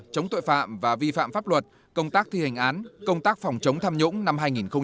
chống tội phạm và vi phạm pháp luật công tác thi hành án công tác phòng chống tham nhũng năm hai nghìn một mươi chín